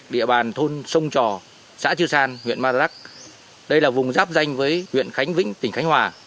địa bàn thôn sông trò xã cư san huyện maroc đây là vùng rắp danh với huyện khánh vĩnh tỉnh khánh hòa